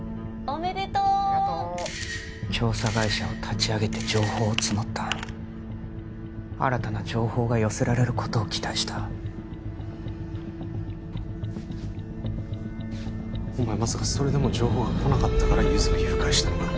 ありがとう調査会社を立ち上げて情報を募った新たな情報が寄せられることを期待したお前まさかそれでも情報が来なかったからゆづを誘拐したのか？